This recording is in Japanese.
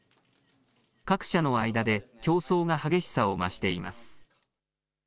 各社の間で競争が激しさを増しています。